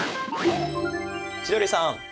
千鳥さん